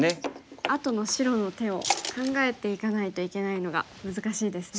あとの白の手を考えていかないといけないのが難しいですね。